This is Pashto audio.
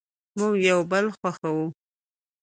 مونږ یو بل خوښوو